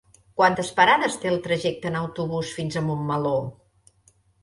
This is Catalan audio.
Quantes parades té el trajecte en autobús fins a Montmeló?